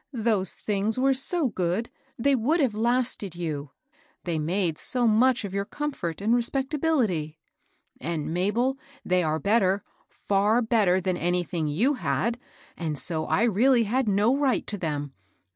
Those things were so good! they would have lasted you, — they made so much of your comfort and respectability." " And, Mabel, they were better, far better than anything yow had, and so I really had no right to. them.